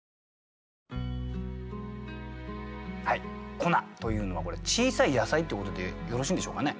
「小菜」というのはこれ小さい野菜ってことでよろしいんでしょうかね？